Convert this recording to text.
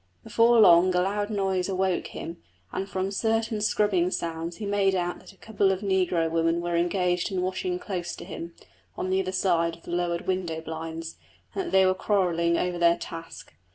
Before long a loud noise awoke him, and from certain scrubbing sounds he made out that a couple of negro women were engaged in washing close to him, on the other side of the lowered window blinds, and that they were quarrelling over their task.